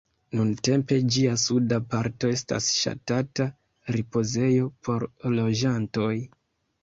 Nuntempe ĝia suda parto estas ŝatata ripozejo por loĝantoj.